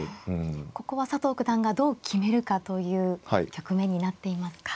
ここは佐藤九段がどう決めるかという局面になっていますか。